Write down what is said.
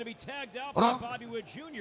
あら？